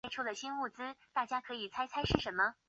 宁康元年。